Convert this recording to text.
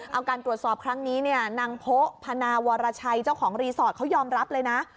เอาการตรวจสอบครั้งนี้เนี่ยนางโพพนาวรชัยเจ้าของรีสอร์ทเขายอมรับเลยนะ